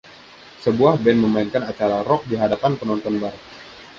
Sebuah band memainkan acara rock di hadapan penonton bar